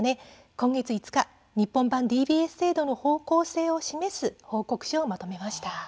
今月５日、日本版ＤＢＳ制度の方向性を示す報告書をまとめました。